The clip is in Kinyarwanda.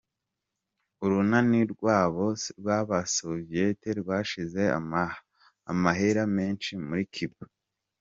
Urunani rw'aba Soviet rwashize amahera menshi muri Cuba.